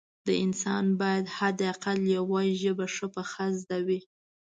د انسان باید حد اقل یوه ژبه ښه پخه زده وي